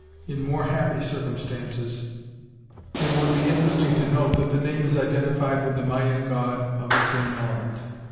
In more happy circumstances, it would be interesting to note that the name is identified with the Mayan god of the same element."